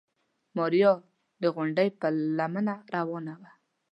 ماريا د غونډۍ په لمنه روانه وه.